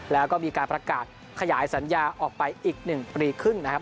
แล้วก็มีการประกาศขยายสัญญาออกไปอีก๑ปีครึ่งนะครับ